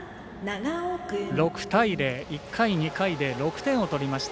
６対０、１回、２回で６点を取りました。